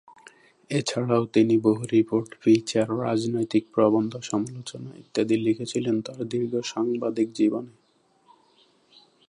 এছাড়াও তিনি বহু রিপোর্ট, ফিচার, রাজনৈতিক প্রবন্ধ, সমালোচনা ইত্যাদি লিখেছিলেন তার দীর্ঘ সাংবাদিক জীবনে।